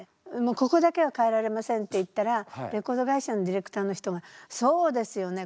ここだけは変えられませんって言ったらレコード会社のディレクターの人がそうですよね。